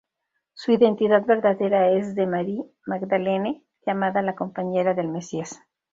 Su identidad verdadera es de Mary Magdalene, llamada la compañera del Mesías.